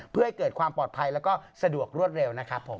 เพื่อให้เกิดความปลอดภัยแล้วก็สะดวกรวดเร็วนะครับผม